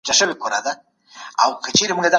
د ناول کرکټرونه کله ناکله ډېر رښتیني وي.